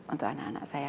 untuk anak anak saya